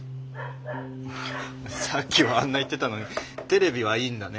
さっきはあんな言ってたのにテレビはいいんだね。